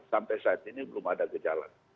sampai saat ini belum ada gejala